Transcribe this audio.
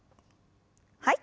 はい。